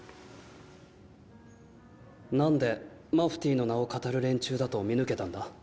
なんでマフティーの名をかたる連中だと見抜けたんだ？